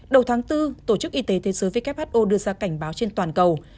đầu tháng bốn tổ chức y tế thế giới who đưa ra cảnh báo trên toàn cầu